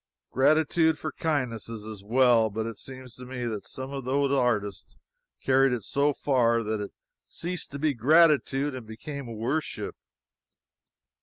Gratitude for kindnesses is well, but it seems to me that some of those artists carried it so far that it ceased to be gratitude and became worship.